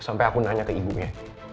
sampai aku nanya ke ibunya